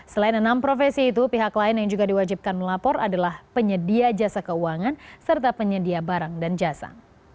selain enam profesi itu pihak lain yang juga diwajibkan melapor adalah penyedia jasa keuangan serta penyedia barang dan jasa